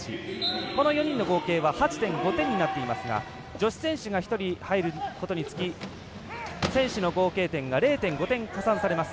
この４人の合計は８．５点になっていますが女子選手が１人、入ることにより選手の合計点が０．５点加算されます。